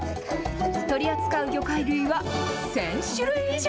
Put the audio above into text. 取り扱う魚介類は１０００種類以上。